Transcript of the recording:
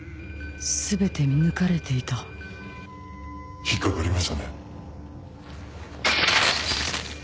全て見抜かれていた引っ掛かりましたね。